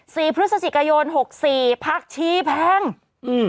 พฤศจิกายนหกสี่พักชี้แพงอืม